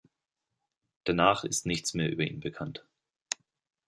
Danach ist nichts mehr über ihn bekannt.